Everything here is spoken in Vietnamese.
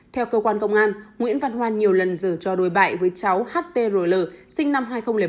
theo cơ quan công an nguyễn văn hoan nhiều lần giở trò đổi bại với cháu ht rồi l sinh năm hai nghìn bảy